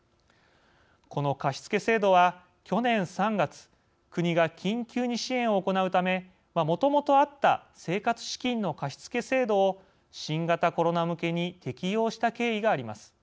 この貸付制度は去年３月国が緊急に支援を行うためもともとあった生活資金の貸付制度を新型コロナ向けに適用した経緯があります。